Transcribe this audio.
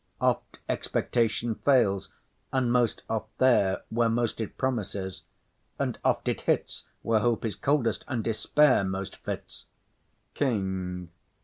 Oft expectation fails, and most oft there Where most it promises; and oft it hits Where hope is coldest, and despair most fits. KING.